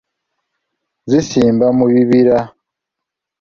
Zisimba mu bibira.